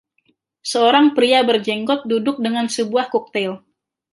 Seorang pria berjenggot duduk dengan sebuah koktail